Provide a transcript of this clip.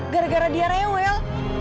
gara gara dia rewel